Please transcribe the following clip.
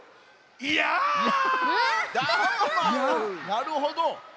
なるほど。